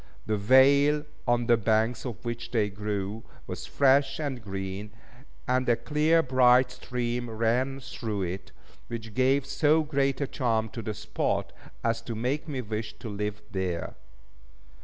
The vale, on the banks of which they grew, was fresh and green, and a clear, bright stream ran through it, which gave so great a charm to the spot, as to make me wish to live there.